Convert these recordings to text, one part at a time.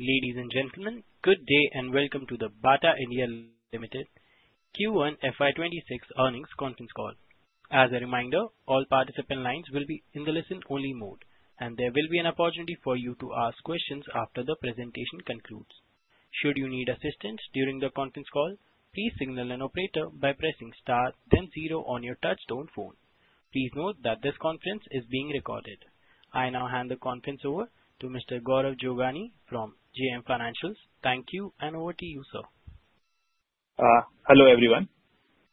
Ladies and gentlemen, good day and welcome to the Bata India Ltd Q1 FY 2026 Earnings Conference Call. As a reminder, all participant lines will be in the listen-only mode, and there will be an opportunity for you to ask questions after the presentation concludes. Should you need assistance during the conference call, please signal an operator by pressing star ten zero on your touchtone phone. Please note that this conference is being recorded. I now hand the conference over to Mr. Gaurav Jovani from JM Financials. Thank you, and over to you, sir. Hello everyone.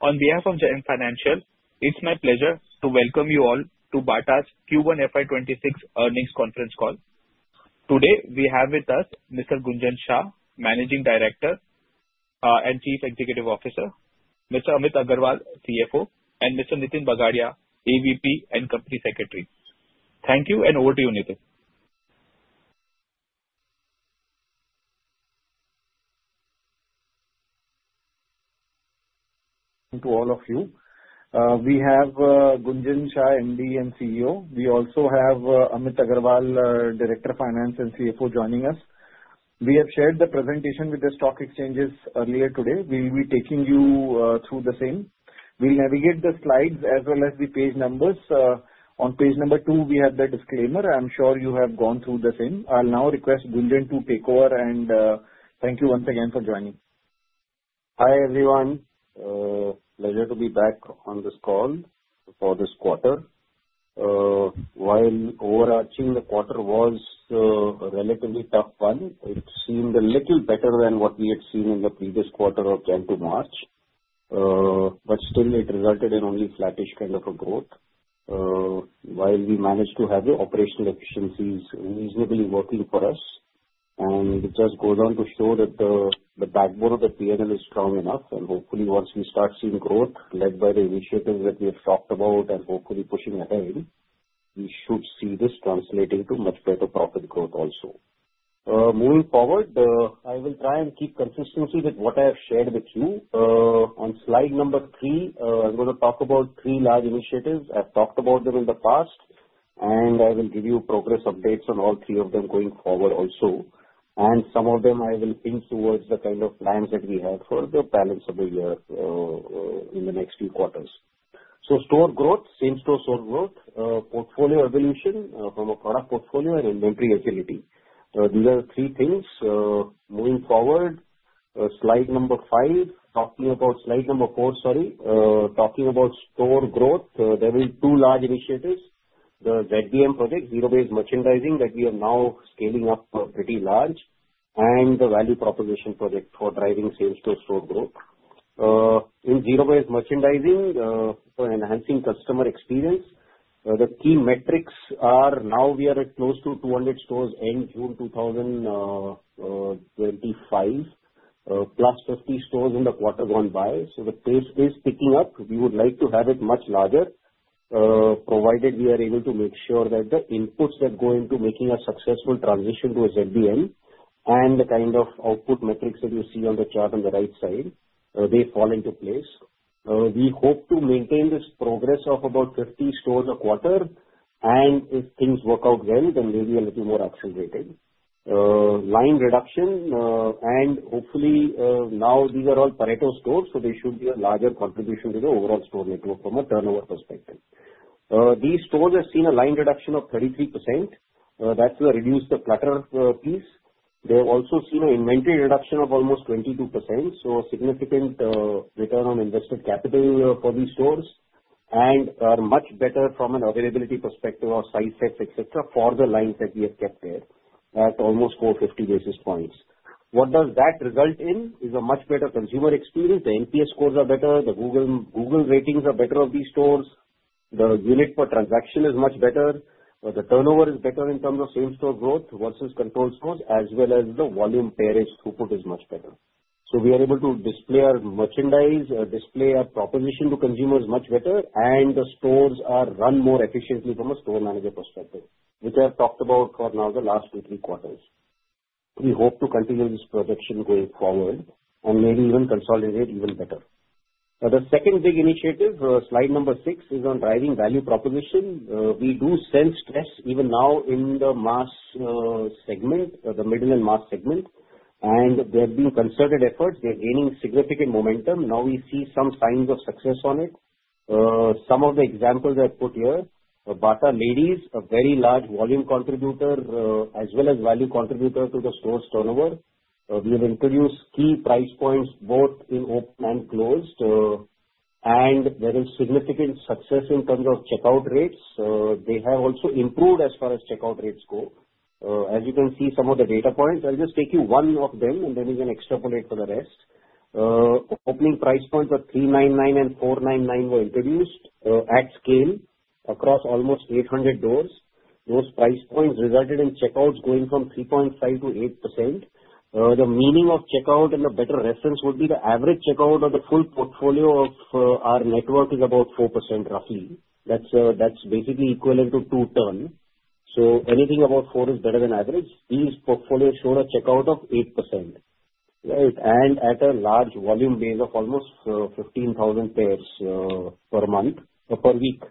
On behalf of JM Financials, it's my pleasure to welcome you all to Bata India's Q1 FY 2026 earnings conference call. Today, we have with us Mr. Gunjan Shah, Managing Director and Chief Executive Officer, Mr. Amit Aggarwal, Chief Financial Officer, and Mr. Nitin Bagadia, Assistant Vice President and Company Secretary. Thank you, and over to you, Nitin. To all of you, we have Gunjan Shah, MD and CEO. We also have Amit Aggarwal, Director of Finance and CFO, joining us. We have shared the presentation with the stock exchanges earlier today. We'll be taking you through the same. We'll navigate the slides as well as the page numbers. On page number two, we have the disclaimer. I'm sure you have gone through the same. I'll now request Gunjan to take over, and thank you once again for joining. Hi everyone. Pleasure to be back on this call for this quarter. While overarching, the quarter was a relatively tough one. It seemed a little better than what we had seen in the previous quarter of June to March. It still resulted in only flattish kind of a growth. While we managed to have the operational efficiencies reasonably working for us, it just goes on to show that the backbone of the P&L is strong enough. Hopefully, once we start seeing growth led by the initiatives that we have talked about and hopefully pushing ahead, we should see this translating to much better profit growth also. Moving forward, I will try and keep consistency with what I have shared with you. On slide number three, I'm going to talk about three large initiatives. I've talked about them in the past, and I will give you progress updates on all three of them going forward also. Some of them I will hint towards the kind of plans that we have for the balance of the year in the next three quarters. Store growth, same-store sort growth, portfolio evolution from a product portfolio, and inventory agility. These are the three things. Moving forward, slide number five, talking about slide number four, sorry, talking about store growth. There are two large initiatives: the ZBM project, Zero-Based Merchandising that we are now scaling up pretty large, and the value propagation project for driving sales to store growth. In Zero-Based Merchandising, for enhancing customer experience, the key metrics are now we are at close to 200 stores in June 2025, plus 50 stores in the quarter gone by. The pace is picking up. We would like to have it much larger, provided we are able to make sure that the inputs that go into making a successful transition to a ZBM and the kind of output metrics that you see on the chart on the right side, they fall into place. We hope to maintain this progress of about 50 stores a quarter. If things work out well, then maybe a little more accelerated. Line reduction, and hopefully, now these are all Pareto stores, so they should be a larger contribution to the overall store network from a turnover perspective. These stores have seen a line reduction of 33%. That's the reduced clutter piece. They've also seen an inventory reduction of almost 22%. A significant return on invested capital for these stores is much better from an availability perspective of size sets, etc., for the lines that we have kept there at almost 450 basis points. What that results in is a much better consumer experience. The NPS scores are better. The Google ratings are better for these stores. The unit per transaction is much better. The turnover is better in terms of same-store growth versus controlled stores, as well as the volume pairage throughput is much better. We are able to display our merchandise and display our proposition to consumers much better, and the stores are run more efficiently from a Store Manager perspective, which I have talked about for now the last two to three quarters. We hope to continue this projection going forward and maybe even consolidate even better. The second big initiative, slide number six, is on driving value proposition. We do sense stress even now in the mass segment, the middle and mass segment, and there have been concerted efforts. They are gaining significant momentum. Now we see some signs of success on it. Some of the examples I've put here: Bata Ladies, a very large volume contributor as well as value contributor to the store's turnover. We've introduced key price points both in open and closed, and there is significant success in terms of checkout rates. They have also improved as far as checkout rates go. As you can see, some of the data points, I'll just take you through one of them, and then you can extrapolate for the rest. Opening price points of 399 and 499 were introduced at scale across almost 800 doors. Those price points resulted in checkouts going from 3.5%-8%. The meaning of checkout and a better reference would be the average checkout of the full portfolio of our network is about 4% roughly. That's basically equivalent to two tons. Anything above 4% is better than average. These portfolios show a checkout of 8% at a large volume base of almost 15,000 pairs per month or per week,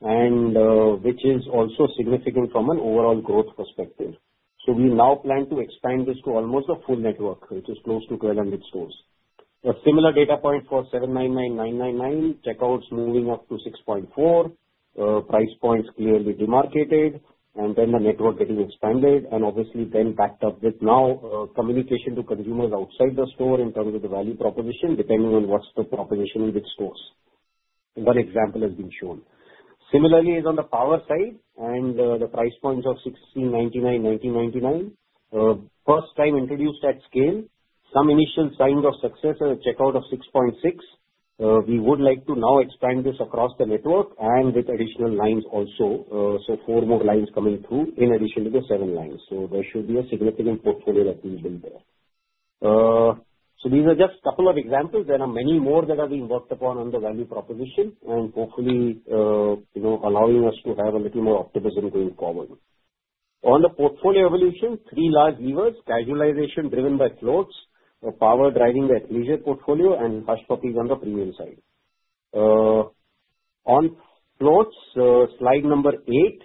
which is also significant from an overall growth perspective. We now plan to expand this to almost a full network, which is close to 1,200 stores. A similar data point for 799 and 999, checkouts moving up to 6.4%. Price points are clearly demarcated, and then the network is getting expanded, and obviously then backed up with now communication to consumers outside the store in terms of the value proposition, depending on what's the proposition in which stores. One example has been shown. Similarly, on the Power side and the price points of 1,699 and 1,999, first time introduced at scale. Some initial signs of success are a checkout of 6.6. We would like to now expand this across the network and with additional lines also. Four more lines coming through in addition to the seven lines. There should be a significant portfolio that we've built there. These are just a couple of examples. There are many more that are being worked upon on the value proposition and hopefully, you know, allowing us to have a little more optimism going forward. On the portfolio evolution, three large levers: casualization driven by floats, Power driving the exclusion portfolio, and Hush Puppies on the premium side. On floats, slide number eight,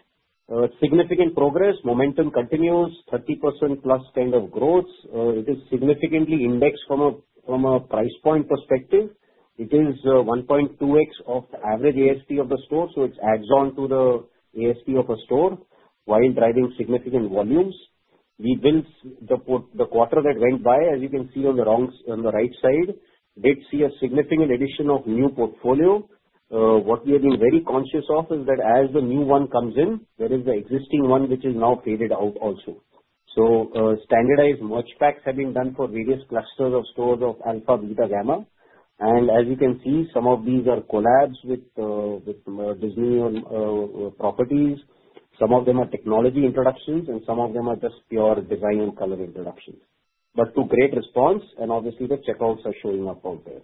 significant progress. Momentum continues. 30%+ kind of growth. It is significantly indexed from a price point perspective. It is 1.2x of the average ASP of the store, so it adds on to the ASP of a store while driving significant volumes. We built the quarter that went by, as you can see on the right side, did see a significant addition of new portfolio. What we are being very conscious of is that as the new one comes in, there is the existing one which is now faded out also. Standardized merge packs have been done for various clusters of stores of alpha, beta, gamma. As you can see, some of these are collabs with Disney properties. Some of them are technology introductions, and some of them are just pure design and color introductions to create response, and obviously the checkouts are showing up out there.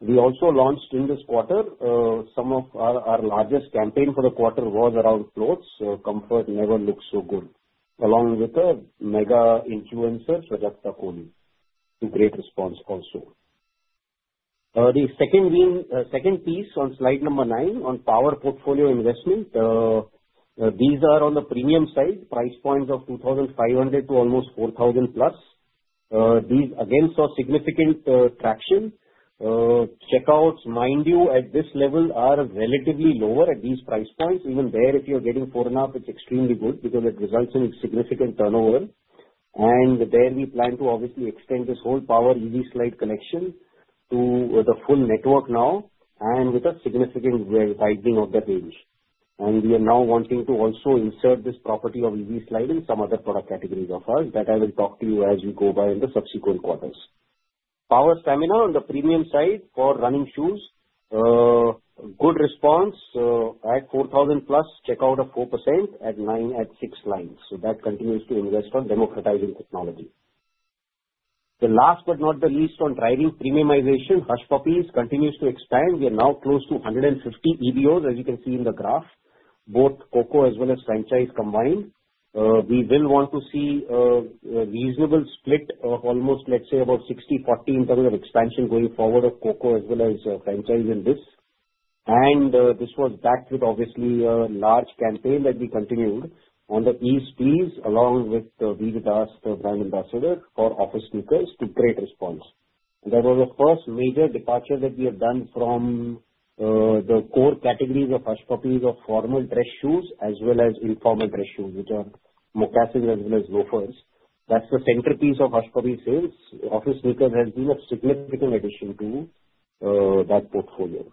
We also launched in this quarter some of our largest campaign for the quarter was around floats. Comfort never looks so good, along with a mega influencer, Prajakta Koli, to create response also. The second piece on slide number nine on power portfolio investment, these are on the premium side, price points of 2,500 to almost 4,000+. These again saw significant traction. Checkouts, mind you, at this level are relatively lower at these price points. Even there, if you're getting 4.5%, it's extremely good because it results in a significant turnover. There we plan to obviously extend this whole power EV slide connection to the full network now and with a significant way of tightening of the page. We are now wanting to also insert this property of EV slide in some other product categories of ours that I will talk to you as we go by in the subsequent quarters. Power stamina on the premium side for running shoes, good response, at 4,000+, checkout of 4% at six lines. That continues to invest on democratizing technology. Last but not the least on driving premiumization, Hush Puppies continues to expand. We are now close to 150 EBOs, as you can see in the graph, both COCO as well as franchise combined. We will want to see a reasonable split of almost, let's say, about 60/40 in terms of expansion going forward of COCO as well as franchise in this. This was backed with obviously a large campaign that we continued on the Ease Please along with the Vivi, the brand ambassador for office sneakers to create response. That was the first major departure that we have done from the core categories of Hush Puppies of formal dress shoes as well as informal dress shoes, which are metallic as well as loafers. That's the centerpiece of Hush Puppies sales. Office sneakers has been a significant addition to that portfolio.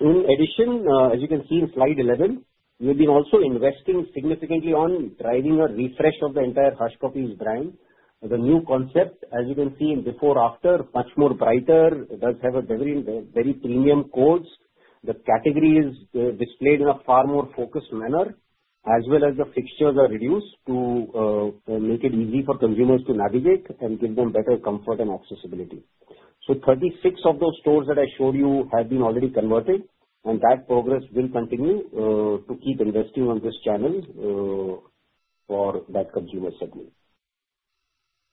In addition, as you can see in slide 11, we've been also investing significantly on driving a refresh of the entire Hush Puppies brand. The new concept, as you can see in before/after, much more brighter, does have a very, very premium quotes. The category is displayed in a far more focused manner, as well as the fixtures are reduced to make it easy for consumers to navigate and give them better comfort and accessibility. Thirty-six of those stores that I showed you have been already converted, and that progress will continue to keep investing on this channel for that consumer segment.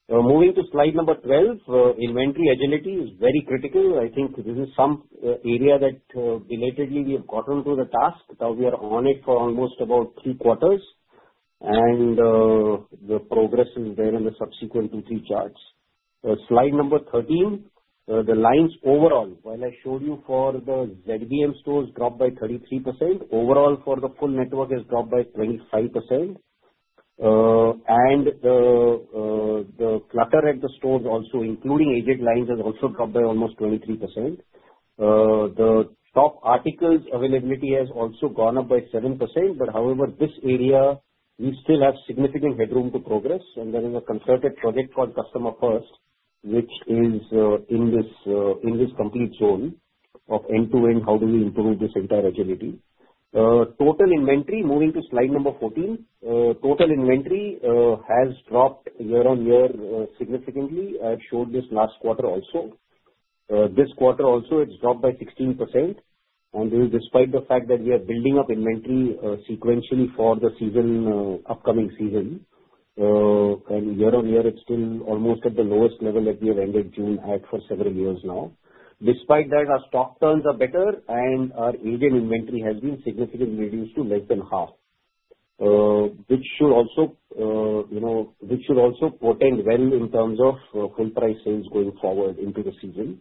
Moving to slide number 12, inventory agility is very critical. I think this is some area that belatedly we have gotten to the task. Now we are on it for almost about three quarters, and the progress is there in the subsequent two-three charts. Slide number 13, the lines overall, while I showed you for the ZBM stores dropped by 33%, overall for the full network has dropped by 25%. The clutter at the stores also, including aged lines, has also dropped by almost 23%. The top articles availability has also gone up by 7%. However, this area we still have significant headroom to progress. Then in a concerted project called Customer First, which is in this complete zone of end-to-end, how do we improve this entire agility? Total inventory, moving to slide number 14, has dropped year on year significantly. I showed this last quarter also. This quarter also, it's dropped by 16%. This is despite the fact that we are building up inventory sequentially for the upcoming season. Year on year, it's still almost at the lowest level that we have ended June at for several years now. Despite that, our stock turns are better, and our agent inventory has been significantly reduced to less than half, which should also portend well in terms of full price sales going forward into the season.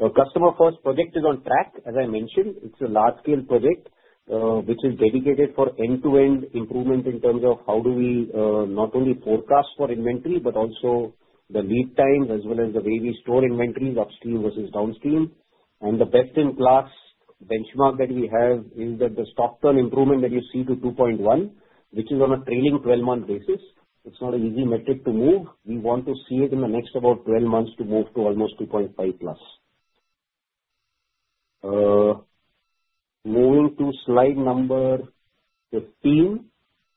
Our Customer First project is on track. As I mentioned, it's a large-scale project which is dedicated for end-to-end improvement in terms of how do we not only forecast for inventory, but also the lead times as well as the way we store inventories upstream versus downstream. The best-in-class benchmark that we have is that the stock turn improvement that you see to 2.1, which is on a trailing 12-month basis. It's not an easy metric to move. We want to see it in the next about 12 months to move to almost 2.5+. Moving to slide number 15,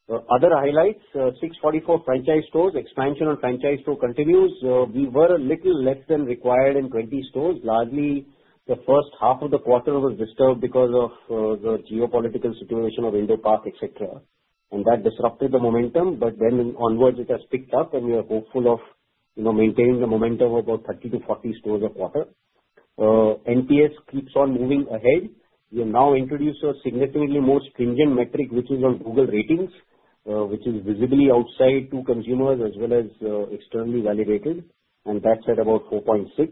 other highlights, 644 franchise stores, expansion on franchise store continues. We were a little less than required in 20 stores. Largely, the first half of the quarter was disturbed because of the geopolitical situation of Indo-Pac, etc. That disrupted the momentum. From then onwards, it has picked up, and we are hopeful of maintaining the momentum of about 30 stores-40 stores a quarter. NPS keeps on moving ahead. We have now introduced a significantly more stringent metric, which is on Google ratings, which is visibly outside to consumers as well as externally validated. That's at about 4.6.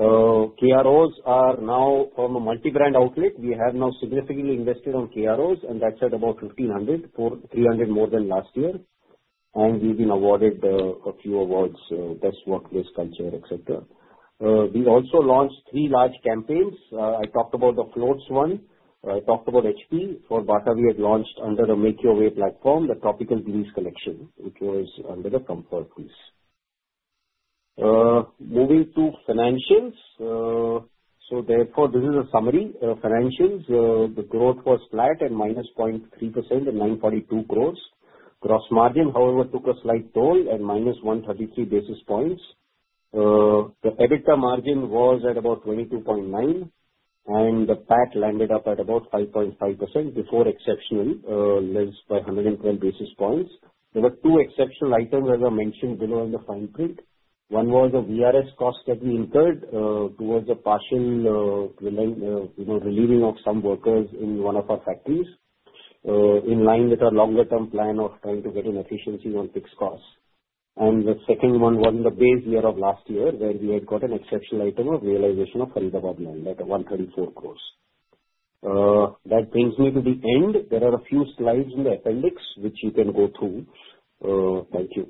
KROs are now on the multi-brand outlet. We have now significantly invested on KROs, and that's at about 1,500, 300 more than last year. We've been awarded a few awards, Best Workplace Culture, etc. We've also launched three large campaigns. I talked about the floats one. I talked about HP for Bata. We have launched under a make-your-way platform, the Tropical Blues collection, which was under the Comfort Blues. Moving to financials. Therefore, this is a summary. Financials, the growth was flat at -0.3% and 942 crore. Gross margin, however, took a slight toll at -133 basis points. The EBITDA margin was at about 22.9%, and the PAT landed up at about 5.5% before exceptional loss by 120 basis points. There were two exceptional items, as I mentioned below in the fine print. One was a VRS cost that we incurred towards the partial relieving of some workers in one of our factories, in line with our longer-term plan of trying to get an efficiency on fixed costs. The second one was in the base year of last year where we had got an exceptional item of realization of Faridabad line at 134 crore. That brings me to the end. There are a few slides in the appendix which you can go through. Thank you.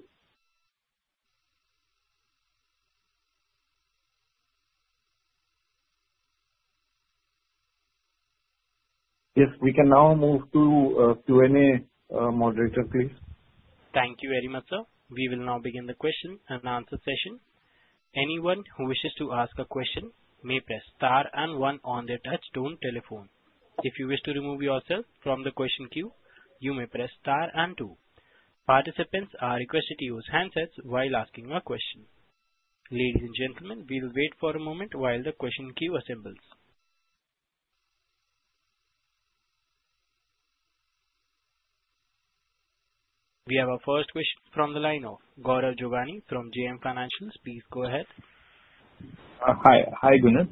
If we can now move to Q&A, moderator, please. Thank you very much, sir. We will now begin the question and answer session. Anyone who wishes to ask a question may press star and one on their touchtone telephone. If you wish to remove yourself from the question queue, you may press star and two. Participants are requested to use handsets while asking a question. Ladies and gentlemen, we will wait for a moment while the question queue assembles. We have our first question from the line of Gaurav Jovani from JM Financials. Please go ahead. Hi, Gunjan.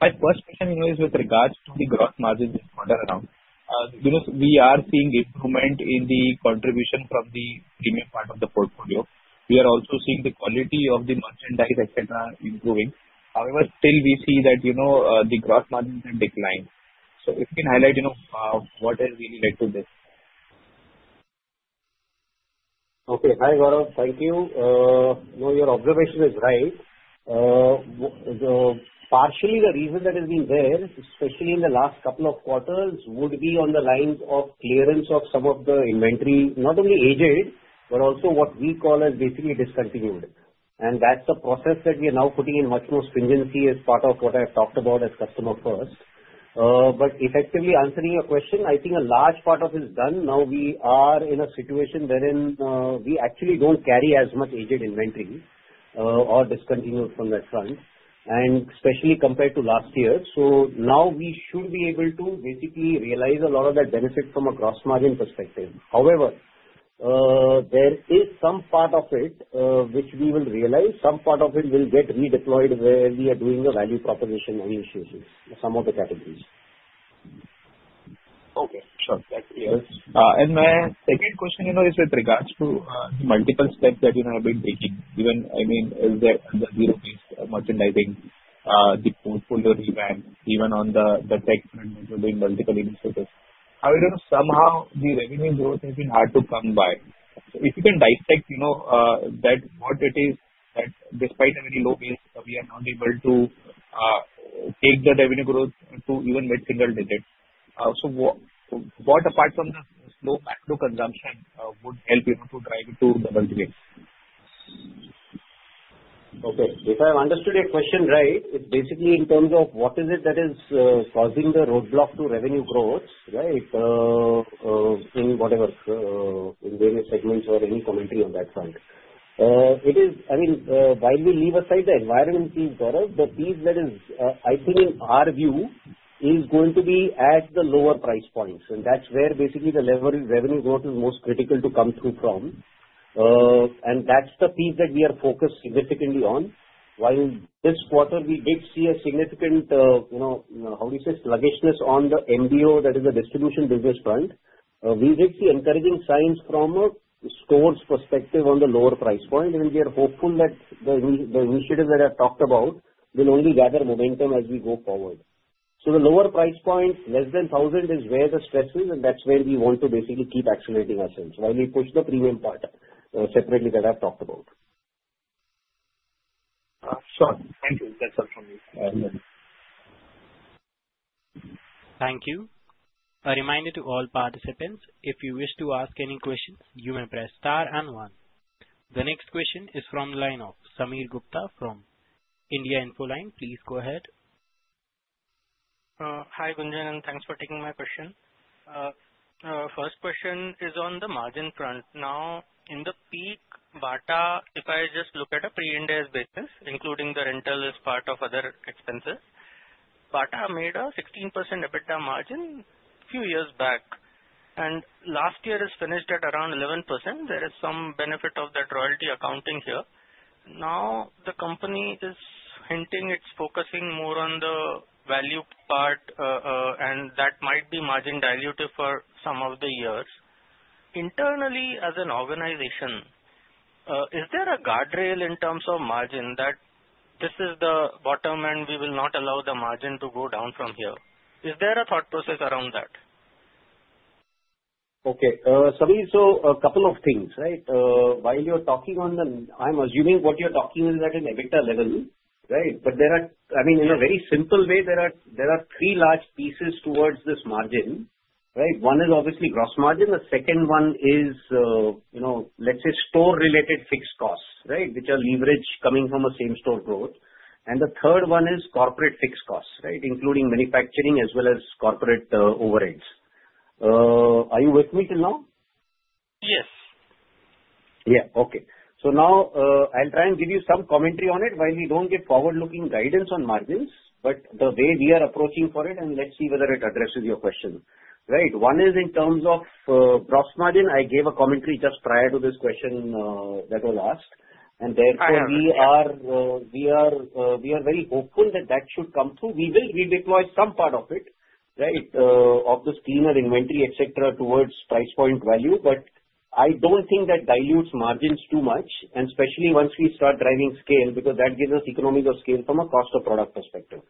My first question is with regards to the gross margin this quarter around. You know, we are seeing improvement in the contribution from the premium part of the portfolio. We are also seeing the quality of the merchandise, etc., improving. However, still we see that, you know, the gross margins have declined. If you can highlight, you know, what has really led to this? Okay, hi, Gaurav. Thank you. Your observation is right. Partially, the reason that has been there, especially in the last couple of quarters, would be on the lines of clearance of some of the inventory, not only aged, but also what we call as basically discontinued. That is a process that we are now putting in much more stringency as part of what I've talked about as Customer First. Effectively answering your question, I think a large part of it is done. Now we are in a situation wherein we actually don't carry as much aged inventory or discontinued from that front, and especially compared to last year. Now we should be able to basically realize a lot of that benefit from a gross margin perspective. However, there is some part of it which we will realize. Some part of it will get redeployed where we are doing the value propagation only issues in some of the categories. Okay, sure. That's clear. My second question, you know, is with regards to the multiple steps that you have been taking, given, I mean, is the Zero-Based Merchandising, the portfolio revamp, even on the tech and building multiple initiatives. However, you know, somehow the revenue growth has been hard to come by. If you can dissect, you know, that what it is that despite a very low base, we are now able to take that revenue growth to even make single digits. Apart from the low back to consumption, what would help you to try to double digits? Okay. If I have understood your question right, it's basically in terms of what is it that is causing the roadblock to revenue growth, right? I mean, whatever, in various segments or any commentary on that front. It is, I mean, while we leave aside the environment piece, Gaurav, the piece that is, I think, in our view is going to be at the lower price points. That's where basically the leverage revenue growth is most critical to come through from. That's the piece that we are focused significantly on. While this quarter we did see significant sluggishness on the MBO, that is the distribution business front, we did see encouraging signs from a stores' perspective on the lower price point. We are hopeful that the initiatives that I've talked about will only gather momentum as we go forward. The lower price point, less than 1,000, is where the stress is, and that's where we want to basically keep accelerating ourselves while we push the premium part separately that I've talked about. Sure. Thank you. That's all from me. Thank you. A reminder to all participants, if you wish to ask any questions, you may press star and one. The next question is from the line of Sameer Gupta from India Infoline. Please go ahead. Hi, Gunjan, and thanks for taking my question. First question is on the margin front. Now, in the peak, Bata, if I just look at a pre-India's business, including the rental as part of other expenses, Bata made a 16% EBITDA margin a few years back. Last year it finished at around 11%. There is some benefit of that royalty accounting here. Now the company is hinting it's focusing more on the value part, and that might be margin diluted for some of the years. Internally, as an organization, is there a guardrail in terms of margin that this is the bottom and we will not allow the margin to go down from here? Is there a thought process around that? Okay. Sameer, so a couple of things, right? While you're talking on the, I'm assuming what you're talking is at an EBITDA level, right? There are, in a very simple way, three large pieces towards this margin, right? One is obviously gross margin. The second one is, you know, let's say store-related fixed costs, which are leveraged coming from a same-store growth. The third one is corporate fixed costs, including manufacturing as well as corporate overheads. Are you with me till now? Yes. Yeah. Okay. Now I'll try and give you some commentary on it. While we don't give forward-looking guidance on margins, the way we are approaching for it, let's see whether it addresses your question, right? One is in terms of gross margin. I gave a commentary just prior to this question that was asked. Therefore, we are very hopeful that should come through. We will redeploy some part of it, right, of the scheme and inventory, etc., towards price point value. I don't think that dilutes margins too much, especially once we start driving scale because that gives us economies of scale from a cost-to-product perspective.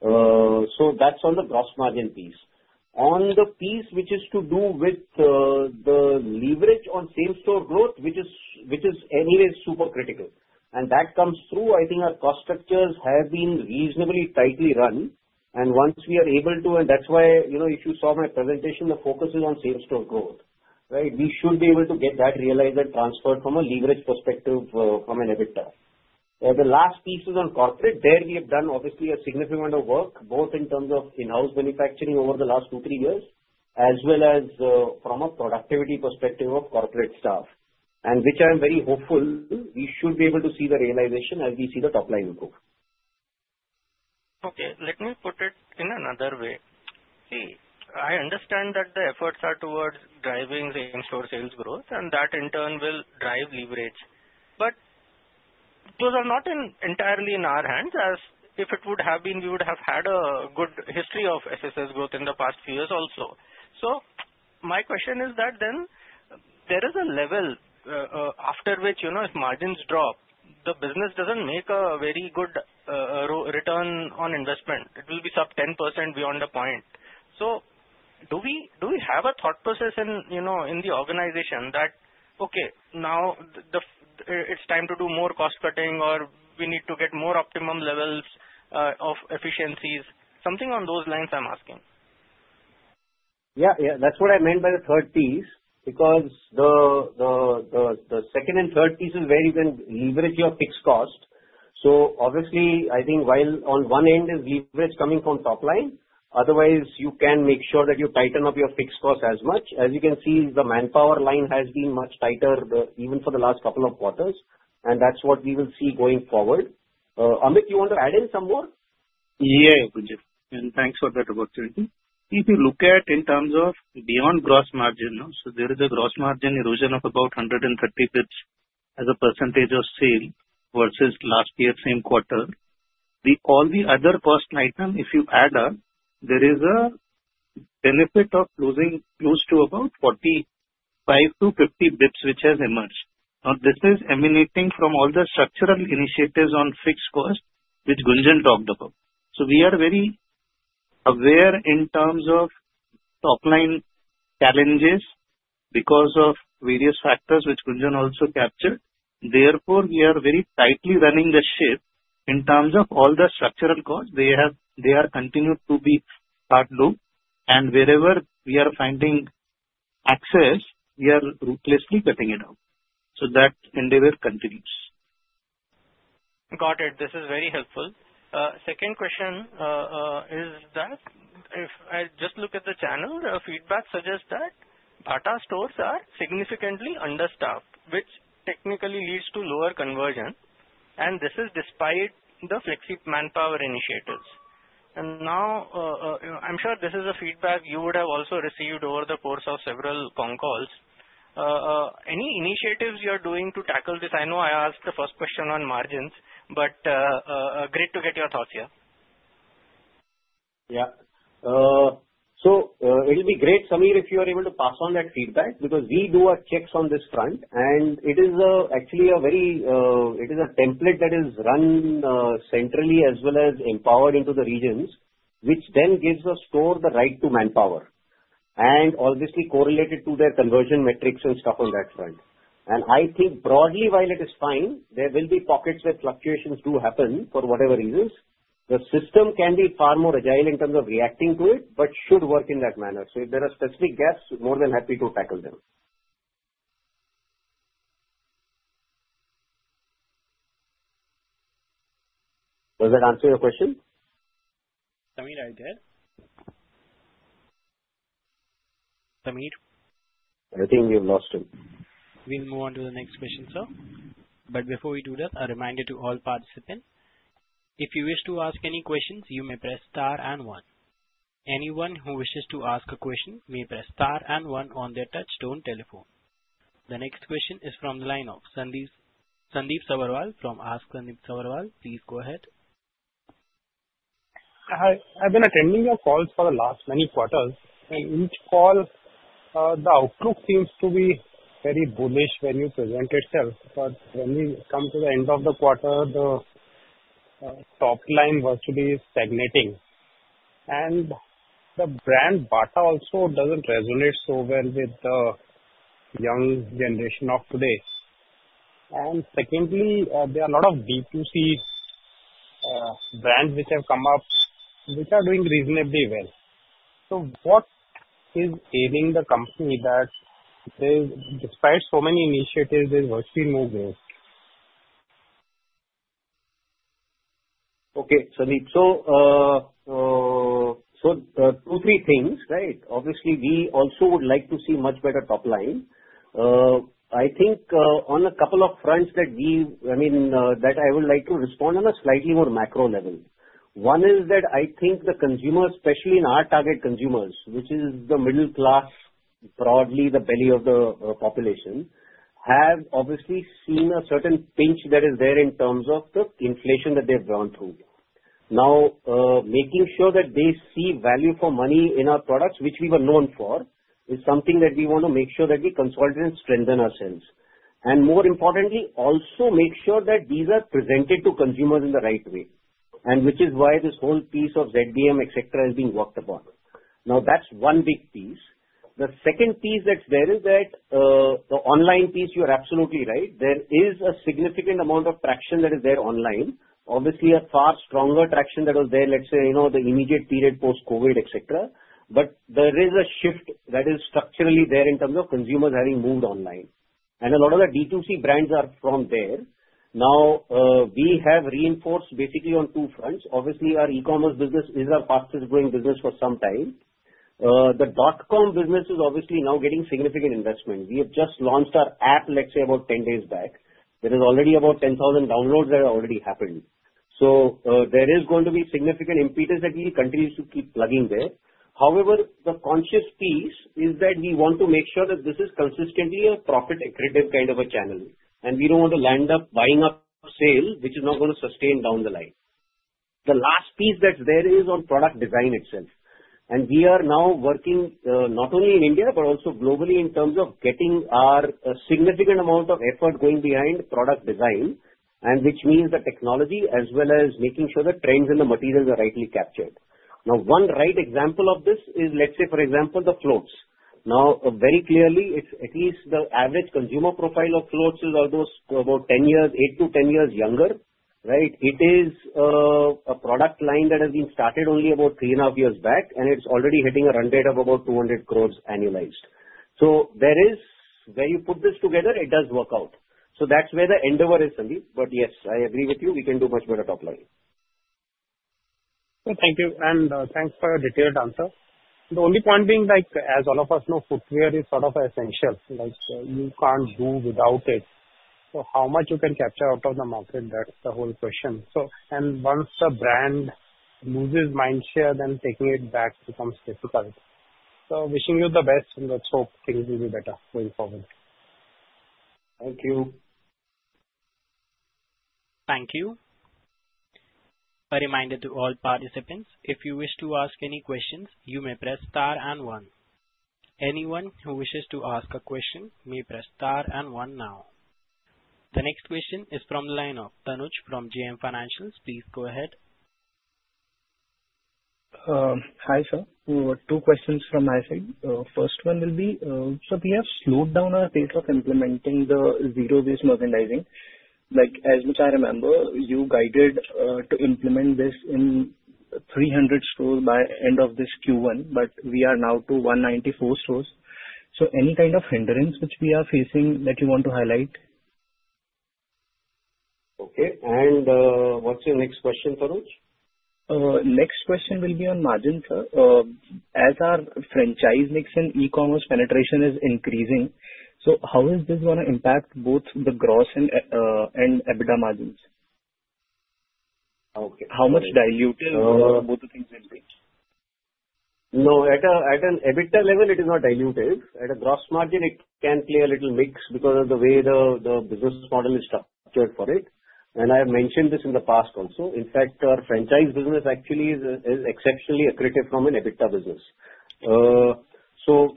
That's on the gross margin piece. On the piece which is to do with the leverage on same-store growth, which is anyway super critical, that comes through. I think our cost structures have been reasonably tightly run. Once we are able to, if you saw my presentation, the focus is on same-store growth, right? We should be able to get that realized and transferred from a leverage perspective from an EBITDA. The last piece is on corporate. There we have done obviously a significant amount of work, both in terms of in-house manufacturing over the last two, three years, as well as from a productivity perspective of corporate staff, and which I'm very hopeful we should be able to see the realization as we see the top line improve. Okay. Let me put it in another way. I understand that the efforts are towards driving same-store sales growth, and that in turn will drive leverage. Those are not entirely in our hands, as if it would have been, we would have had a good history of SSS growth in the past few years also. My question is that then there is a level after which, if margins drop, the business doesn't make a very good return on investment. It will be sub 10% beyond a point. Do we have a thought process in the organization that, okay, now it's time to do more cost cutting or we need to get more optimum levels of efficiencies? Something on those lines I'm asking. That's what I meant by the third piece because the second and third piece is where you can leverage your fixed cost. Obviously, I think while on one end is leverage coming from top-line, otherwise you can make sure that you tighten up your fixed cost as much. As you can see, the manpower line has been much tighter even for the last couple of quarters. That's what we will see going forward. Amit, you want to add in some more? Yeah, and thanks for that opportunity. If you look at in terms of beyond gross margin, there is a gross margin erosion of about 130 basis points as a percentage of sale versus last year's same quarter. All the other cost items, if you add up, there is a benefit of losing close to about 45 basis points-50 basis points, which has emerged. This is emanating from all the structural initiatives on fixed cost, which Gunjan talked about. We are very aware in terms of top-line challenges because of various factors which Gunjan also captured. Therefore, we are very tightly running the ship in terms of all the structural costs. They are continued to be part low. Wherever we are finding excess, we are ruthlessly cutting it out. That endeavor continues. I got it. This is very helpful. Second question is that if I just look at the channel, feedback suggests that Bata stores are significantly understaffed, which technically leads to lower conversion. This is despite the flexi-manpower initiatives. I'm sure this is a feedback you would have also received over the course of several con calls. Any initiatives you are doing to tackle this? I know I asked the first question on margins, but great to get your thoughts here. Yeah, it'll be great, Sameer, if you are able to pass on that feedback because we do our checks on this front. It is actually a template that is run centrally as well as empowered into the regions, which then gives the store the right to manpower, and obviously correlated to their conversion metrics and stuff on that front. I think broadly, while it is fine, there will be pockets where fluctuations do happen for whatever reasons. The system can be far more agile in terms of reacting to it, but should work in that manner. If there are specific gaps, we're more than happy to tackle them. Does that answer your question? Sameer, are you there? Sameer? I think you lost him. We'll move on to the next question, sir. Before we do that, a reminder to all participants. If you wish to ask any questions, you may press star and one. Anyone who wishes to ask a question may press star and one on their touchstone telephone. The next question is from the line of Sandip Sabharwal from Asksandipsabharwal. Please go ahead. Hi. I've been attending your calls for the last many quarters. In each call, the outlook seems to be very bullish when you present itself. When we come to the end of the quarter, the top line was to be stagnating. The brand Bata also doesn't resonate so well with the young generation of today. Secondly, there are a lot of B2C brands which have come up, which are doing reasonably well. What is aiding the company that says, despite so many initiatives, there's virtually no growth? Okay, Sandip. Two, three things, right? Obviously, we also would like to see much better top line. I think on a couple of fronts that we, I mean, that I would like to respond on a slightly more macro level. One is that I think the consumers, especially in our target consumers, which is the middle class, broadly the belly of the population, have obviously seen a certain pinch that is there in terms of the inflation that they've gone through. Now, making sure that they see value for money in our products, which we were known for, is something that we want to make sure that we consolidate and strengthen ourselves. More importantly, also make sure that these are presented to consumers in the right way, which is why this whole piece of ZBM, etc., is being worked upon. That's one big piece. The second piece that's there is that the online piece, you're absolutely right. There is a significant amount of traction that is there online. Obviously, a far stronger traction that was there, let's say, the immediate period post-COVID, etc. There is a shift that is structurally there in terms of consumers having moved online, and a lot of the B2C brands are from there. Now, we have reinforced basically on two fronts. Obviously, our e-commerce business is our fastest growing business for some time. The dot-com business is obviously now getting significant investment. We have just launched our app, let's say, about 10 days back. There is already about 10,000 downloads that have already happened. There is going to be significant impetus that we continue to keep plugging there. However, the conscious piece is that we want to make sure that this is consistently a profit-accretive kind of a channel. We don't want to end up buying up a sale which is not going to sustain down the line. The last piece that's there is on product design itself. We are now working not only in India, but also globally in terms of getting our significant amount of effort going behind product design, which means the technology as well as making sure the trends and the materials are rightly captured. One right example of this is, let's say, for example, the floats. Very clearly, it's at least the average consumer profile of floats is about 10 years, 8 years-10 years younger, right? It is a product line that has been started only about three and a half years back, and it's already hitting a run rate of about 20 crore annualized. Where you put this together, it does work out. That's where the endeavor is, Sandip. Yes, I agree with you. We can do much better top line. Thank you. Thanks for your detailed answer. The only point being, as all of us know, footwear is sort of essential. You can't do without it. How much you can capture out of the market, that's the whole question. Once the brand loses mindshare, then taking it back becomes difficult. Wishing you the best, and let's hope things will be better going forward. Thank you. Thank you. A reminder to all participants, if you wish to ask any questions, you may press star and one. Anyone who wishes to ask a question may press star and one now. The next question is from the line of Tanuj from JM Financials. Please go ahead. Hi, sir. Two questions from my side. First one will be, we have slowed down our pace of implementing the Zero-Based Merchandising. As much as I remember, you guided to implement this in 300 stores by the end of this Q1, but we are now to 194 stores. Is there any kind of hindrance which we are facing that you want to highlight? Okay. What's your next question, Tanuj? Next question will be on margins, sir. As our franchise mix and e-commerce penetration is increasing, how is this going to impact both the gross and EBITDA margins? How much diluted are both of these will be? No, at an EBITDA level, it is not diluted. At a gross margin, it can play a little mix because of the way the business model is structured for it. I have mentioned this in the past also. In fact, our franchise business actually is exceptionally accretive from an EBITDA business.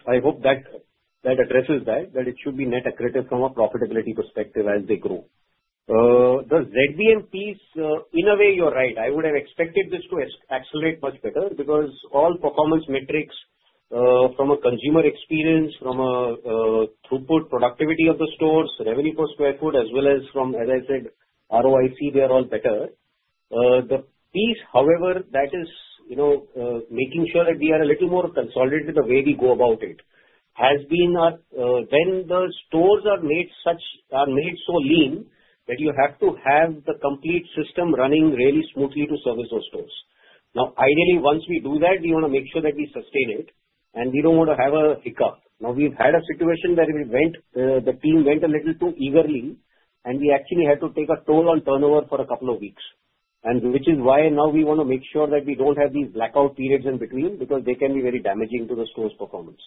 I hope that addresses that, that it should be net accretive from a profitability perspective as they grow. The ZBM piece, in a way, you're right. I would have expected this to accelerate much better because all performance metrics from a consumer experience, from a throughput productivity of the stores, revenue per square foot, as well as from, as I said, ROIC, they are all better. The piece, however, that is making sure that we are a little more consolidated in the way we go about it has been when the stores are made so lean that you have to have the complete system running really smoothly to service those stores. Ideally, once we do that, we want to make sure that we sustain it, and we don't want to have a hiccup. We've had a situation where the team went a little too eagerly, and we actually had to take a toll on turnover for a couple of weeks, which is why now we want to make sure that we don't have these blackout periods in between because they can be very damaging to the store's performance.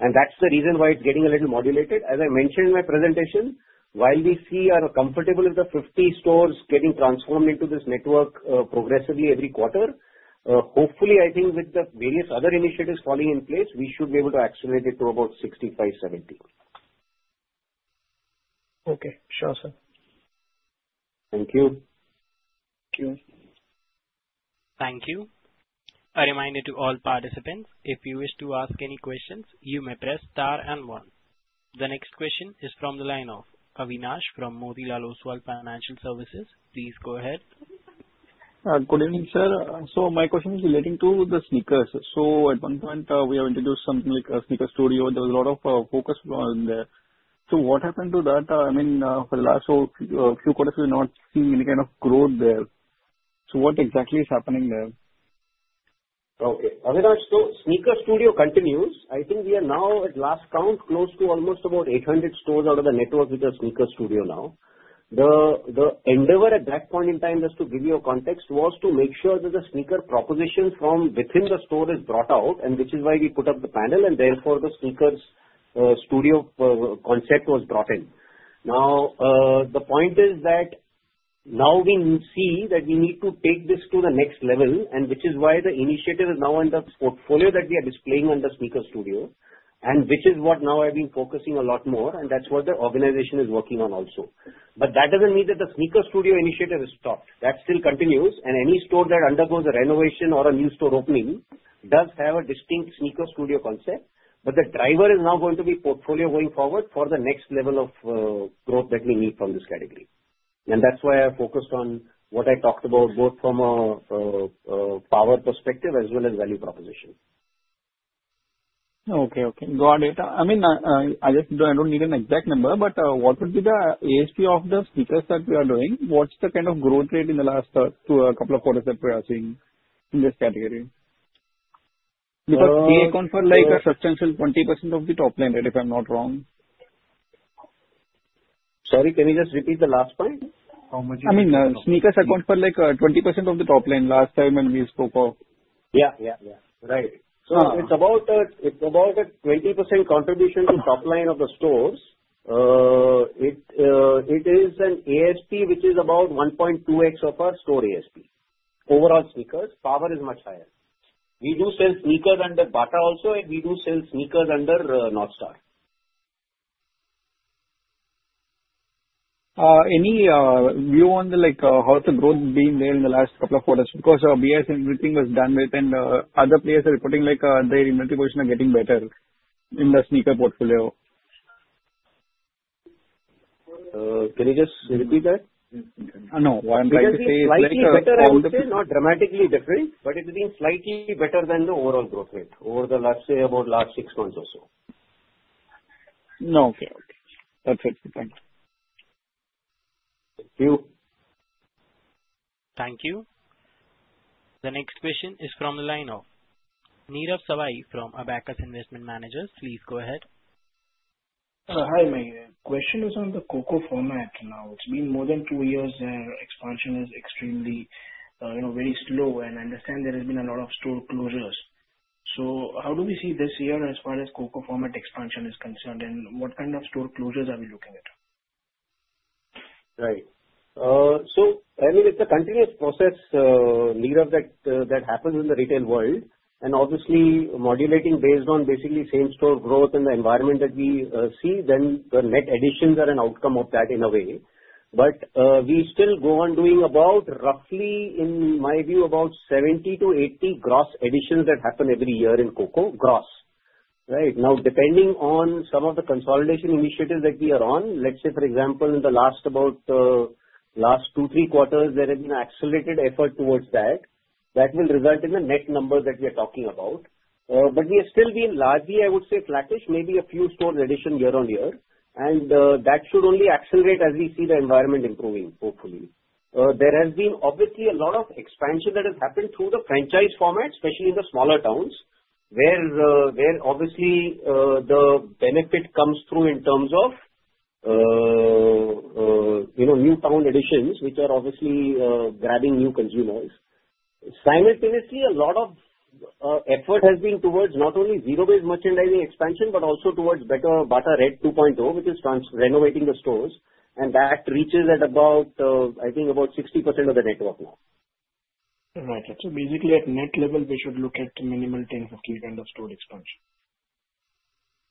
That's the reason why it's getting a little modulated. As I mentioned in my presentation, while we are comfortable with the 50 stores getting transformed into this network progressively every quarter, hopefully, I think with the various other initiatives falling in place, we should be able to accelerate it to about 65, 70. Okay. Sure, sir. Thank you. Thank you. Thank you. A reminder to all participants, if you wish to ask any questions, you may press star and one. The next question is from the line of Avinash from Motilal Oswal Financial Services. Please go ahead. Good evening, sir. My question is relating to the sneakers. At one point, we have introduced something like a sneaker studio. There was a lot of focus on there. What happened to that? I mean, for the last few quarters, we have not seen any kind of growth there. What exactly is happening there? Okay. Avinash, so sneaker studio continues. I think we are now at last count close to almost about 800 stores out of the network which are sneaker studio now. The endeavor at that point in time, just to give you a context, was to make sure that the sneaker propositions from within the store is brought out, which is why we put up the panel, and therefore the sneaker studio concept was brought in. Now, the point is that now we see that we need to take this to the next level, which is why the initiative is now on the portfolio that we are displaying on the sneaker studio, and which is what now I've been focusing a lot more, and that's what the organization is working on also. That doesn't mean that the sneaker studio initiative has stopped. That still continues. Any store that undergoes a renovation or a new store opening does have a distinct sneaker studio concept. The driver is now going to be portfolio going forward for the next level of growth that we need from this category. That's why I focused on what I talked about both from a Power perspective as well as value proposition. Okay. Got it. I mean, I don't need an exact number, but what would be the ASP of the sneakers that we are doing? What's the kind of growth rate in the last couple of quarters that we are seeing in this category? We account for like a substantial 20% of the top line, right, if I'm not wrong? Sorry, can you just repeat the last point? I mean, sneakers account for like 20% of the top line last time when we spoke of. Right. So it's about a 20% contribution to top-line sales of the stores. It is an ASP, which is about 1.2x of our store ASP. Overall, sneakers Power is much higher. We do sell sneakers under Bata also, and we do sell sneakers under North Star. Any view on the like how the growth been there in the last couple of quarters? Because BIC and everything was done with, and other players are reporting like their inventory position is getting better in the sneaker portfolio. Can you just repeat that? Dramatically different, but it's getting slightly better than the overall growth rate over the last six months or so. No. Okay. Okay. That makes sense. Thank you. Thank you. The next question is from the line of Neerav Savai from Abakkus Investment Managers. Please go ahead. Hi, my question is on the COCO format now. It's been more than two years there. Expansion is extremely, you know, very slow, and I understand there has been a lot of store closures. How do we see this year as far as COCO format expansion is concerned, and what kind of store closures are we looking at? Right. It's a continuous process, Neerav, that happens in the retail world. Obviously, modulating based on basically same-store sales growth in the environment that we see, the net additions are an outcome of that in a way. We still go on doing about roughly, in my view, about 70-80 gross additions that happen every year in COCO gross, right? Now, depending on some of the consolidation initiatives that we are on, for example, in the last two, three quarters, there is an accelerated effort towards that. That will result in the net numbers that we are talking about. We are still being largely, I would say, flattish, maybe a few stores in addition year on year. That should only accelerate as we see the environment improving, hopefully. There has been a lot of expansion that has happened through the franchise expansion format, especially in the smaller towns, where the benefit comes through in terms of new town additions, which are grabbing new consumers. Simultaneously, a lot of effort has been towards not only Zero-Based Merchandising expansion, but also towards better Bata Red 2.0, which is renovating the stores. That reaches at about, I think, about 60% of the network now. Right. Basically, at net level, we should look at the minimal 10%-15% of store expansion.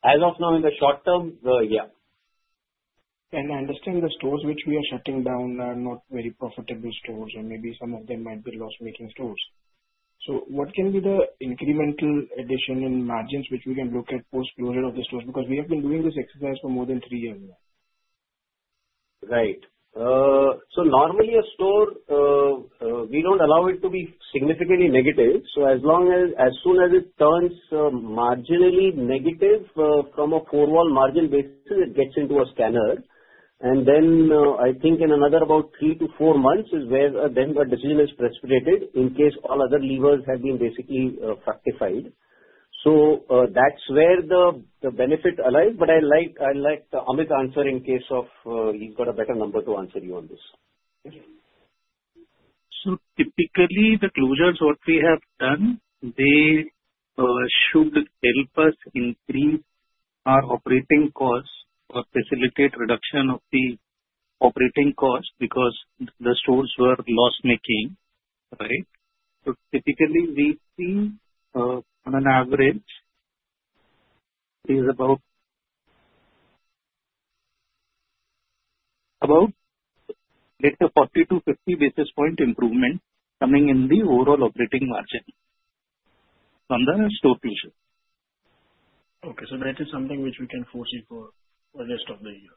As of now, in the short term, yeah. I understand the stores which we are shutting down are not very profitable stores, and maybe some of them might be loss-making stores. What can be the incremental addition in margins which we can look at post-closure of the stores? We have been doing this exercise for more than three years now. Right. Normally, a store, we don't allow it to be significantly negative. As soon as it turns marginally negative from a four-wall margin basis, it gets into a scanner. I think in another about three to four months is where the decision is precipitated in case all other levers have been basically factified. That's where the benefits arise. I like Amit's answer in case he's got a better number to answer you on this. Okay. Typically, the closures we have done should help us increase our operating costs or facilitate reduction of the operating costs because the stores were loss-making, right? Typically, we've seen on an average, it is about 40 basis points-50 basis point improvement coming in the overall operating margin on the store closure. Okay, that is something which we can foresee for the rest of the year.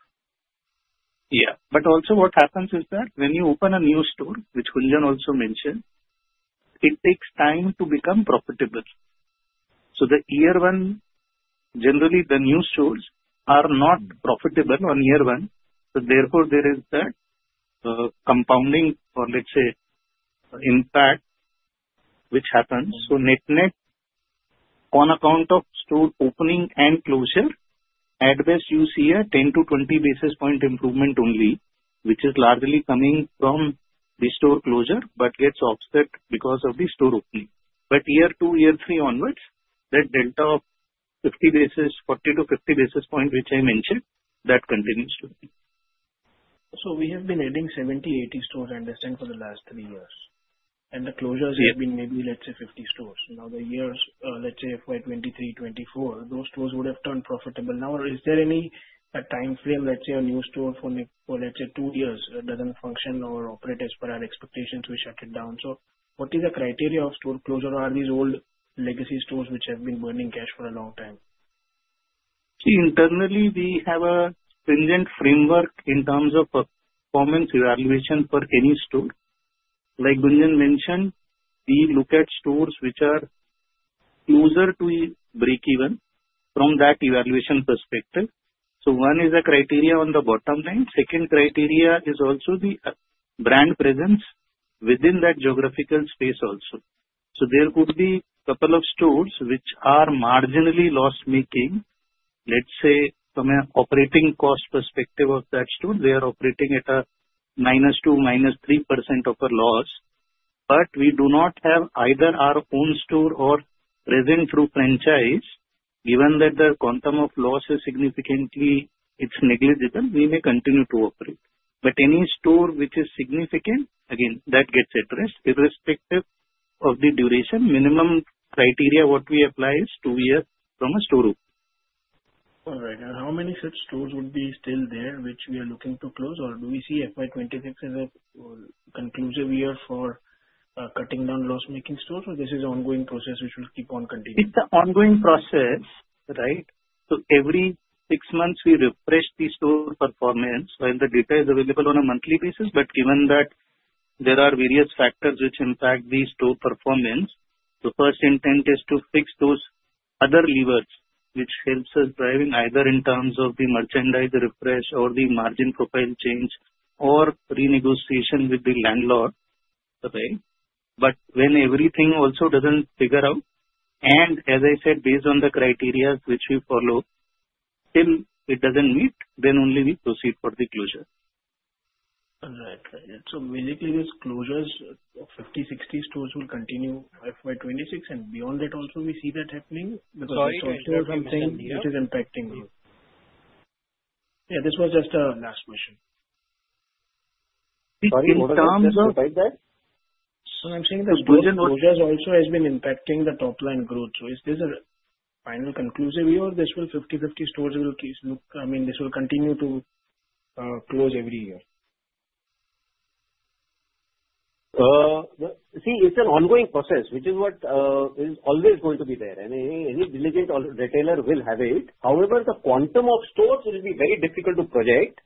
Yeah. What happens is that when you open a new store, which Gunjan also mentioned, it takes time to become profitable. The year one, generally, the new stores are not profitable on year one. Therefore, there is that compounding or let's say impact which happens. Net-net, on account of store opening and closure, at best, you see a 10 basis points-20 basis point improvement only, which is largely coming from the store closure, but gets offset because of the store opening. Year two, year three onwards, that delta of 40 basis points-50 basis points, which I mentioned, that continues to be. We have been adding 70, 80 stores, I understand, for the last three years, and the closures have been maybe, let's say, 50 stores. Now the years, let's say, FY 2023, 2024, those stores would have turned profitable. Is there any time frame, let's say, a new store for, let's say, two years that doesn't function or operate as per our expectations? We shut it down. What is the criteria of store closure? Are these old legacy stores which have been burning cash for a long time? See, internally, we have a stringent framework in terms of performance evaluation for any store. Like Gunjan mentioned, we look at stores which are closer to break even from that evaluation perspective. One is the criteria on the bottom line. The second criteria is also the brand presence within that geographical space. There could be a couple of stores which are marginally loss-making. Let's say, from an operating cost perspective of that store, they are operating at a -2%, -3% of a loss. We do not have either our own store or present through franchise. Given that the quantum of loss is significantly, it's negligible, we may continue to operate. Any store which is significant, again, that gets addressed irrespective of the duration. Minimum criteria we apply is two years from a store open. All right. How many such stores would be still there which we are looking to close? Do we see FY 2026 as a conclusive year for cutting down loss-making stores, or is this an ongoing process we should keep on continuing? It's an ongoing process, right? Every six months, we refresh the store performance when the data is available on a monthly basis. Given that there are various factors which impact the store performance, the first intent is to fix those other levers, which helps us driving either in terms of the merchandise refresh, the margin profile change, or renegotiation with the landlord. When everything also doesn't figure out, and as I said, based on the criteria which we follow, if it doesn't meet, then only we proceed for the closure. Right, right. Basically, these closures of 50, 60 stores will continue in FY 2026. Beyond that, also, we see that happening because we saw something which is impacting growth. Yeah, this was just a last question. Sorry, what was that? I'm saying that closures also have been impacting the top-line growth. Is this a final conclusive year or will this 50/50 stores keep, I mean, will this continue to close every year? See, it's an ongoing process, which is what is always going to be there. Any diligent retailer will have it. However, the quantum of stores will be very difficult to project.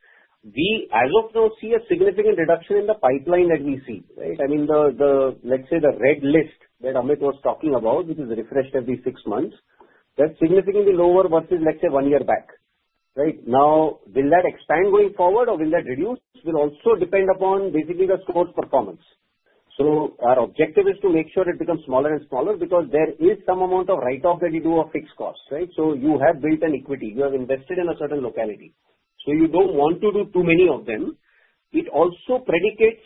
We, as of now, see a significant reduction in the pipeline that we see, right? The, let's say, the red list that Amit was talking about, which is refreshed every six months, that's significantly lower versus, let's say, one year back, right? Now, will that expand going forward or will that reduce? It will also depend upon basically the store's performance. Our objective is to make sure it becomes smaller and smaller because there is some amount of write-off that you do of fixed costs, right? You have built an equity. You have invested in a certain locality. You don't want to do too many of them. It also predicates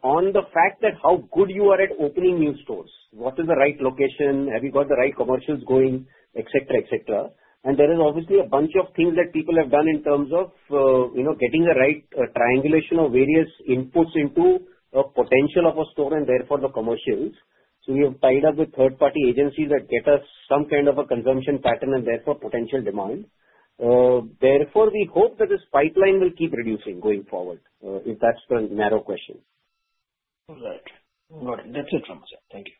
on the fact that how good you are at opening new stores. What is the right location? Have you got the right commercials going, etc., etc.? There is obviously a bunch of things that people have done in terms of getting the right triangulation of various inputs into the potential of a store and therefore the commercials. We have tied up with third-party agencies that get us some kind of a consumption pattern and therefore potential demand. We hope that this pipeline will keep reducing going forward if that's the narrow question. Right. Got it. That's it from us. Thank you.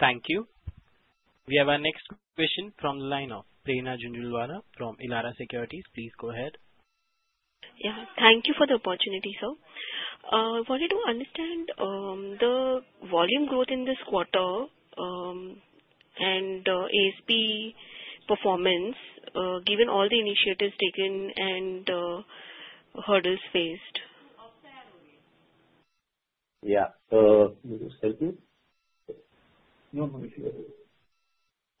Thank you. We have our next question from the line of Prena Jhunjhunwala from Elara Securities. Please go ahead. Thank you for the opportunity, sir. I wanted to understand the volume growth in this quarter and ASP performance, given all the initiatives taken and hurdles faced. Will this help you? No,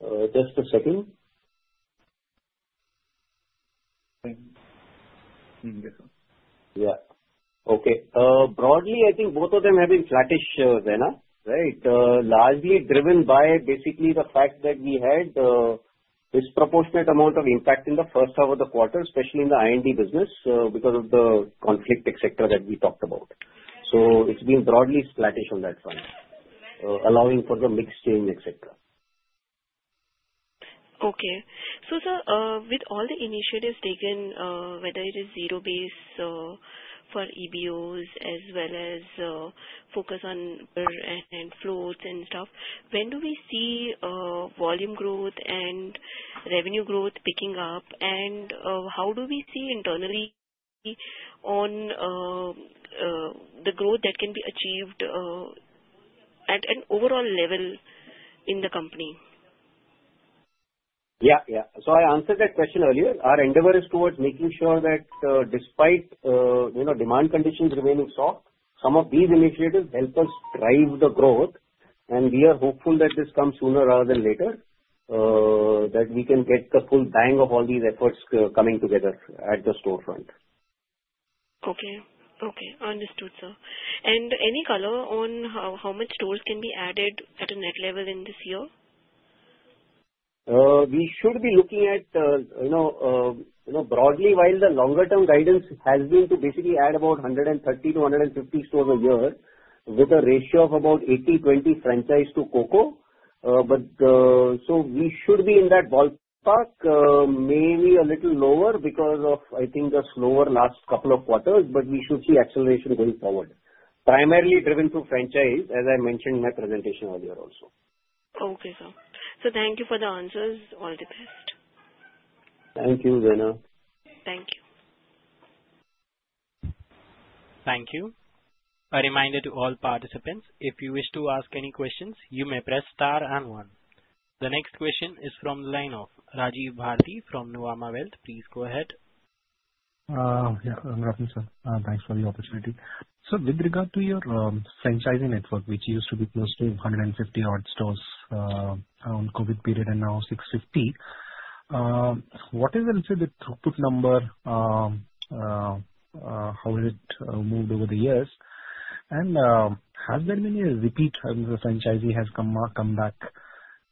it's just a second. Yeah. Okay. Broadly, I think both of them have been flattish, Prena, right? Largely, it's driven by basically the fact that we had a disproportionate amount of impact in the first half of the quarter, especially in the R&D business because of the conflict, etc., that we talked about. It's been broadly flattish on that front, allowing for the mix change, etc. Okay. Sir, with all the initiatives taken, whether it is Zero-Based Merchandising for EBOs as well as focus on floats and stuff, when do we see volume growth and revenue growth picking up? How do we see internally on the growth that can be achieved at an overall level in the company? I answered that question earlier. Our endeavor is towards making sure that despite demand conditions remaining soft, some of these initiatives help us drive the growth. We are hopeful that this comes sooner rather than later, that we can get the full bang of all these efforts coming together at the storefront. Okay. Okay. Understood, sir. Any color on how much stores can be added at a net level in this year? We should be looking at, you know, broadly, while the longer-term guidance has been to basically add about 130 stores-150 stores a year with a ratio of about 80/20 franchise to COCO. We should be in that ballpark, maybe a little lower because of, I think, the slower last couple of quarters. We should see acceleration going forward, primarily driven through franchise, as I mentioned in my presentation earlier also. Okay, sir. Thank you for the answers. All the best. Thank you, Prena. Thank you. Thank you. A reminder to all participants, if you wish to ask any questions, you may press star and one. The next question is from the line of Rajiv Bharati from Nwama Wealth. Please go ahead. Yeah. I'm Rajiv, sir. Thanks for the opportunity. Sir, with regard to your franchising network, which used to be close to 150-odd stores around COVID period and now 650, what is the little bit throughput number? How has it moved over the years? Has there been any repeat? I mean, the franchisee has come back,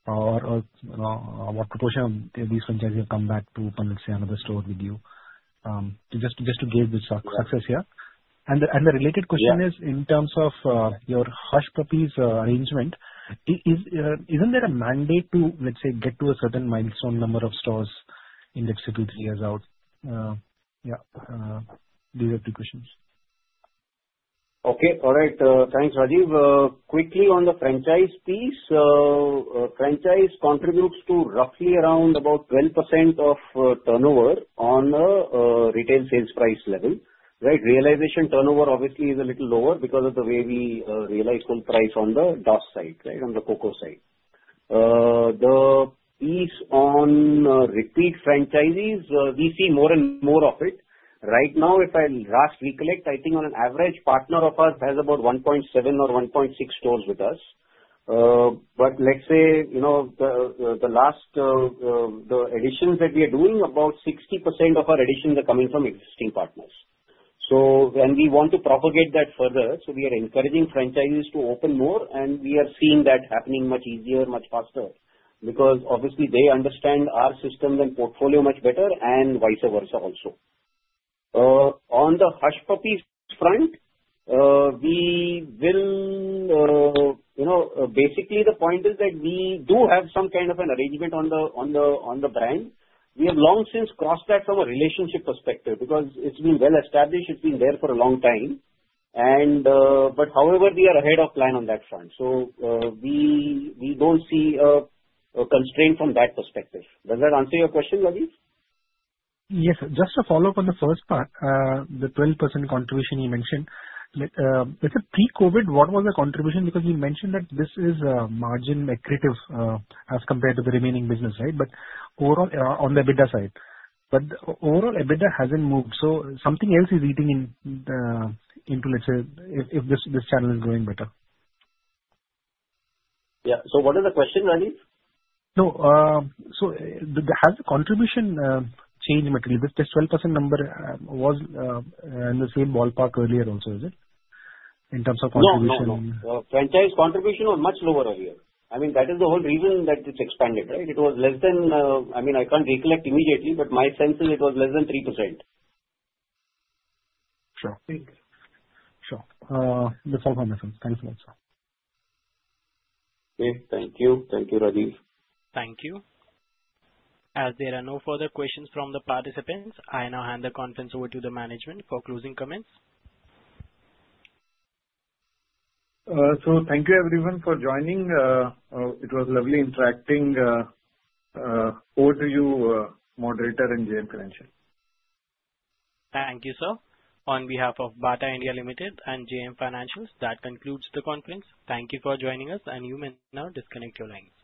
or what proportion of these franchisees have come back to, let's say, another store with you? Just to gauge the success here. The related question is, in terms of your Hush Puppies arrangement, isn't there a mandate to, let's say, get to a certain milestone number of stores in the next two to three years out? Yeah, these are a few questions. Okay. All right. Thanks, Rajiv. Quickly on the franchise piece, franchise contributes to roughly around about 12% of turnover on the retail sales price level, right? Realization turnover obviously is a little lower because of the way we realize full price on the DOS side, right, on the COCO side. The piece on repeat franchisees, we see more and more of it. Right now, if I last recollect, I think on an average, partner of ours has about 1.7 or 1.6 stores with us. Let's say, you know, the last additions that we are doing, about 60% of our additions are coming from existing partners. We want to propagate that further, so we are encouraging franchisees to open more, and we are seeing that happening much easier, much faster because obviously they understand our systems and portfolio much better and vice versa also. On the Hush Puppies front, basically, the point is that we do have some kind of an arrangement on the brand. We have long since crossed that from a relationship perspective because it's been well established. It's been there for a long time. However, we are ahead of plan on that front. We don't see a constraint from that perspective. Does that answer your question, Rajiv? Yes, sir. Just to follow up on the first part, the 12% contribution you mentioned, let's say pre-COVID, what was the contribution? You mentioned that this is margin accretive as compared to the remaining business, right? Overall, on the EBITDA side, overall EBITDA hasn't moved. Something else is eating into, let's say, if this channel is growing better. Yeah, what is the question, Rajiv? Has the contribution changed? This 12% number was in the same ballpark earlier also, is it, in terms of contribution? No, no. Franchise contribution was much lower earlier. That is the whole reason that it's expanded, right? It was less than, I mean, I can't recollect immediately, but my sense is it was less than 3%. Sure. Sure. That's all from my side. Thanks a lot, sir. Thank you. Thank you, Rajiv. Thank you. As there are no further questions from the participants, I now hand the conference over to the management for closing comments. Thank you, everyone, for joining. It was lovely interacting. Over to you, moderator and JM Financials. Thank you, sir. On behalf of Bata India Ltd and JM Financials, that concludes the conference. Thank you for joining us, and you may now disconnect your lines. Thank you.